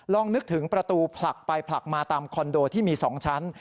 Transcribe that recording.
นึกถึงประตูผลักไปผลักมาตามคอนโดที่มี๒ชั้น